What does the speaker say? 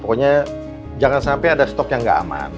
pokoknya jangan sampai ada stok yang gak aman